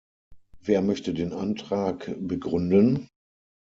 Wer möchte den Antrag begründen?